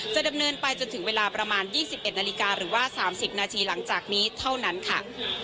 จะดำเนินไปจนถึงเวลาประมาณยี่สิบเอ็ดนาฬิกาหรือว่าสามสิบนาทีหลังจากนี้เท่านั้นค่ะ